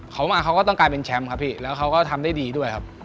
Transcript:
เขามาเขาก็ต้องกลายเป็นแชมป์ครับพี่แล้วเขาก็ทำได้ดีด้วยครับ